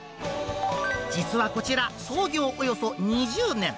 実はこちら、創業およそ２０年。